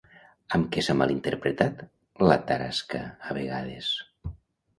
Amb què s'ha malinterpretat la Tarasca a vegades?